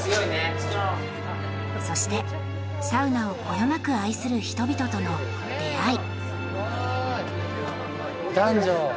そしてサウナをこよなく愛する人々との出会い。